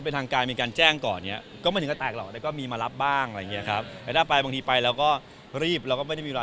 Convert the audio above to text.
เราก็ไปเงียบไปเจอกันที่งานอะไรอย่างนี้ดีกว่า